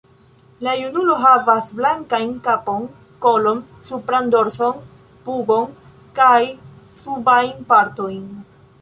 La junulo havas blankajn kapon, kolon, supran dorson, pugon kaj subajn partojn.